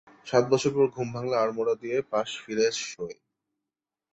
সাত বছর পর ঘুম ভাঙ্গলে আড়মোড়া দিয়ে পাশ ফিরে শোয়।